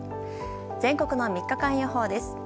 全国の３日間予報です。